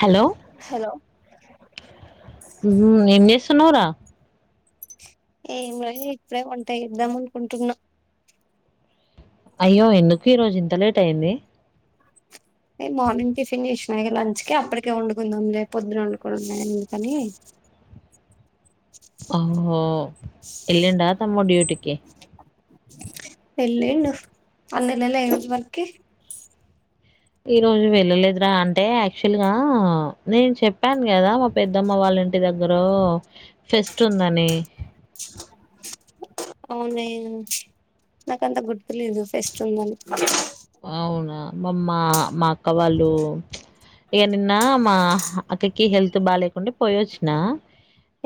Hello hello మ్ ఏం చేస్తున్నవ్ రా ఏంలేదు ఇప్పుడె వంట చేద్దాం అనుకుంటున్నా అయ్యో ఎందుకు ఈరోజు ఇంత లేట్ అయ్యింది ఏ మార్నింగ్ టిఫిన్ చేశిన లంచ్ కె అప్పటికే వండుకుందాం లే పొద్దున వండుకోడంఎందుకని ఓహో ఎల్లిండా తమ్ముడ్డ్యూటికి ఎల్లిండు అన్నల్లలె వర్కి [unintelligible] ఈ రోజు వెళ్ళలేదురా అంటే యాక్చువల్ గా నేను చెప్ప్ ప్పాన్ కదా మా పెద్దమ్మ వాళ్ళంటి దగ్గ్ రో తెస్తుందని అవునే నాకంత గుర్తు లేదు ఫెస్ట్ ఉందని అవునా మా అమ్మ మా అక్క వాళ్ళు ఇక నిన్న మా అక్కకి హెల్త్ బాలేకుండే పోయొచ్చిన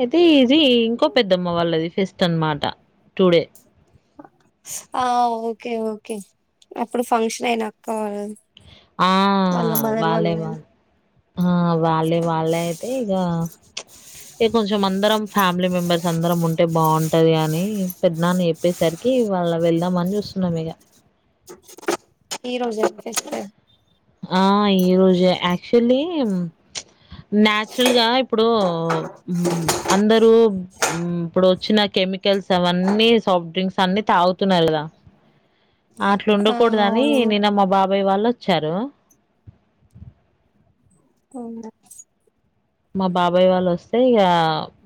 అయితే ఇది ఇంకో పెద్దమ్మ వాళ్ళది ఫెస్ట్ తనమాట టుడే ఆ ఓకే ఓకే అప్పుడు ఫంక్షన్ అయినాక కావాల ఆ వాళ్ళే వాళ్ళ ఆ వాళ్ళే వాళ్ళే అయితే ఇక అంటే కొంచెం అందరం ఫ్యామిలీ మెంబెర్స్ అందరం ఉంటే బాగుంటది అని పెద్ద నాన్న చెప్పేసరికి ఇవాళ వెళ్దామని చూస్తున్నాం ఇక ఈరోజే వస్తారు ఆ ఈ రోజు యాక్చుల్లి న్యాచురల్ గా ఇప్పుడు ఉమ్ అందరూ ఉమ్ ఇప్పుడు వచ్చిన కెమికల్స్ అవన్నీ సాఫ్ట్ డ్రింక్స్ అన్ని తాగుతున్నారు కదా ఆ అట్లుండకూడదని అవునమ్మా నిన్న మా బాబాయ్ వాళ్ళ వచ్చారు అవునా మా బాబాయ్ వాళ్ళు వస్తే ఇక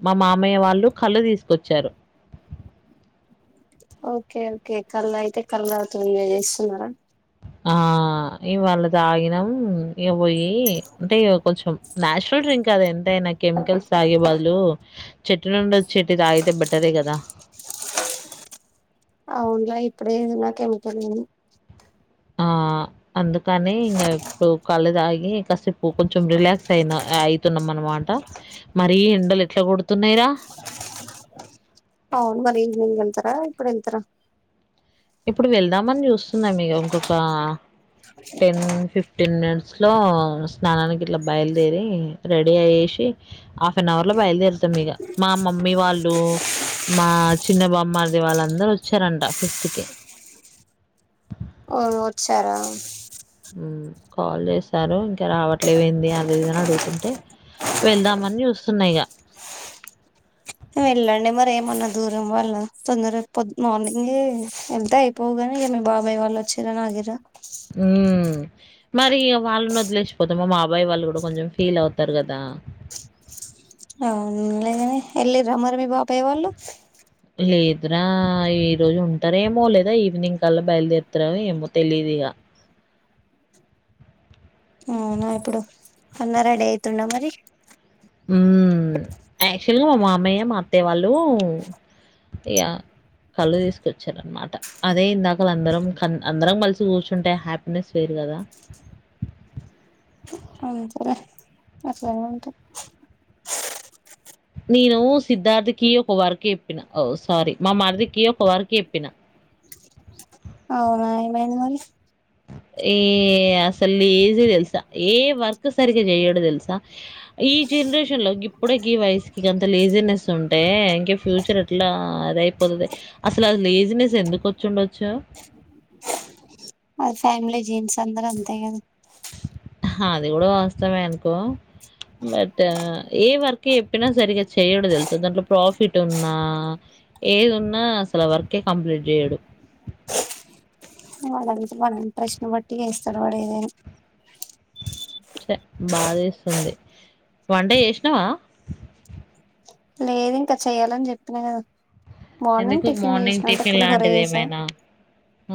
మా మామయ్య వాళ్ళు కళ్ళు తీసుకొచ్చారు ఓకే ఓకే కళ్ళైతే అయితే కళ్ళు తాగుతూ ఎంజాయ్ చేస్తున్నారా ఆ ఇవాళ తాగినం ఇ పోయి అంటే కొంచెం ఆ ఆ ఇవ్వాళ తాగినం ఇక పొయ్యి అంటే కొంచెం నాచురల్ డ్రింక్ కదా ఎంతైనా కెమికల్స్ తాగే బదులు చెట్టు నుండి వచ్చేది తాగితే బెటరే కదా అవును లే ఇప్పుడే ఎన్నో కెమికల్ ఆ అందుకని ఇంకా ఇప్పుడు కళ్ళు తాగి కాసేపు కొంచెం రిలాక్స్ అయినా తున్నాం అనమాట మరి ఎండలు ఎట్లా కొడుతున్నాయిరా అవును మరి ఈవెనింగ్ ఎల్తారా ఇప్పుడు ఎల్తారా ఇప్పుడు వెళ్దామని చూస్తున్నాం మీక ఇంకొక టెన్ ఫిఫ్టీన్ మినిట్స్ లో స్నానానికి ఇట్లా బయలుదేరి రెడీ అయేసి హాఫ్ అన్ అవర్ లో బయలుదేరుతాం ఇక మా మమ్మీ వాళ్ళు మా చిన్న బామ్మర్ది వాళ్ళందరు వచ్చారంట పెస్ట్ కి అ వచ్చారా మ్ కాల్ చేశారు ఇంకా రావట్లే ఏంది అని అది ఇది అందరూ అడుగుతుంటే, వెళ్దామని చూస్తున్నా ఇక వెళ్ళండి మరి ఏమన్నా దూరం వాళ్ళ, తొందరగా పొద్దు మార్నింగ వెళ్తే అయిపోవుగానీ ఏమి బాబాయ్ వాళ్ళు వచ్చారా నాగిరా మ్ మరి వాళ్ళని వదిలేసిపోతామా మా బాబాయి వాళ్ళు కూడా కొంచెం ఫీల్ అవుతారు కదా అవులేగనే ఎల్లి రా మరి మీ బాబాయి వాళ్ళు లేదురా ఈ రోజు ఉంటారేమో లేదా ఈవినింగ్ కల్లా బయలుదేరుతారేమో తెలీదిక అవునా ఇప్పుడు అన్నా రెడీ అయితుండా మరి మ్ యాక్చ్యువల్ గా మా మావయ్య అత్తయ్య వాళ్ లు ఇక కళ్ళు తీసుకొచ్చారనమాట, అదే ఇందాక అందరం క అందరం కలిసి కూర్చుంటే హ్యాపీనెస్ వేరు కదా అ సరే అట్లా ఉంట నేను సిద్ధార్థికి ఒక వర్క్ చెప్పిన సారీ మా మరదికి ఒక వర్క్ చెప్పిన అవునా ఏమైంది మళ్ళీ ఏ అసలు ఈజీ తెల్సా ఏ వర్క్ సరిగా చెయడు తెలుసా, ఈ జనరేషన్లో గిప్పుడే గీవయసుకి గంత లేజినెస్ ఉంటే, ఇంకా ఫ్యూచర్ ఎట్లా అదియిపోతాది అసలు అ లేజినెస్ ఎందు ఒచ్చుండొచ్చు అది ఫ్యామిలీ జీన్స్ అందరూ అంతే కదా అది కూడా వాస్తవమే అనుకో బట్ ఏ వర్క్ చెప్పినా సరిగా చేయడు తెలుసా దాంట్లో ప్రాఫిట్ ఉన్నా ఏది ఉన్నా అసలు ఆ వర్కే కంప్లీట్ చేయడు వాడంతే వాని ఇంట్రెస్ట్ ని బట్టిచేస్తాడు వాడు ఏదైనా ఛా బాధేస్తుంది వంట చేసినావా లేదింకా చెయ్యాలని చెప్పిన కదా మార్నింగ్ ఎందుకు టిఫిన్ మార్నింగ్ చేసిన అంటే టిఫిన్ పులిహోర లాంటిది చేసా ఏమైనా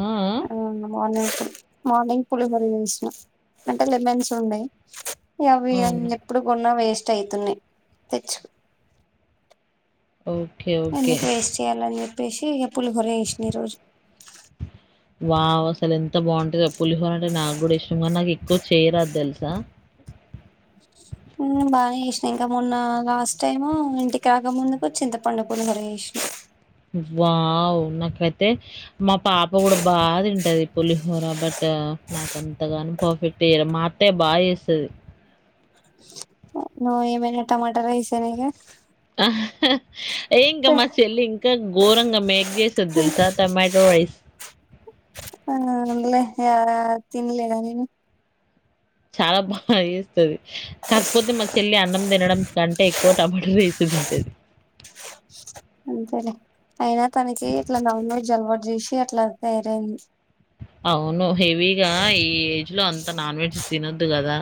ఊ ఊ ఆ మార్నింగ్ మార్నింగ్ పులిహోర చేసినా అంటే లెమన్స్ ఉండే అవి ఆ? అవును. అన్ని ఎప్పుడు కొన్నా వేష్ స్టైతున్నాయి తెచ్చు ఓకే. ఓకే. ఎందుకు వేస్ట్ చెయ్యాలని చెప్ ప్పేసి ఇగ పులిహోర చేసిన ఈరోజు వావ్ అస్ సలు ఎంత బావుంటదో పులిహోర అంటే నాకు కూడా ఇష్టం కానీ నాకు ఎక్కువ చెయ్యరాదు తెలుసా బానే చేసినా ఇంకా మొన్న లాస్ట్ టైము ఇంటికి రాకముందుకు చింతపండు పులిహోర చేసినా వావ్ నాకైతే మా పాప కూడా బా తింటది పులిహోర బట్ నాకు అంతగాను పర్ఫెక్ట్ చేయడం మా అత్తయ్య బా చేస్తది ఏమేనా టమాటారైస్ చేలేదా ఏఇంకా మా చెల్లి ఇంకా ఘోరంగా మేక్ చేస్తది తెలుసా టమాటో రైస్ అవునవునులే ఎవరెవరు తిండ్లేగానీ చాలా బాగా ఏస్తాది కాకపోతే మా చెల్లి అన్నం తినడం కంటే ఎక్కువ టమాటా రైస్ తింటది అంతేలే అయినా తనకి ఇట్లా నన్ వెజ్ అలవాట్ చేసి అట్ల తయారయిన్ అవును హెవిగా ఈ ఏజ్ లో అంత నాన్ వెజ్ తినను ద్దు కదా